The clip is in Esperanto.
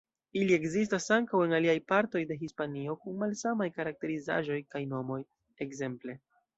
Ili ekzistas ankaŭ en aliaj partoj de Hispanio, kun malsamaj karakterizaĵoj kaj nomoj, ekzemple.